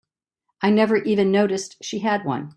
I never even noticed she had one.